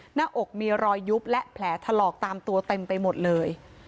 หน้าอกมีรอยยุบและแผลถลอกตามตัวเต็มไปหมดเลย